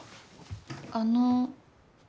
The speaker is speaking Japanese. あの。